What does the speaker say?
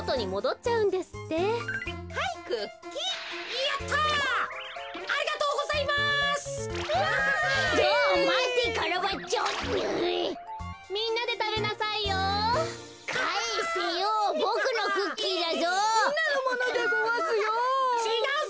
ちがうぞ。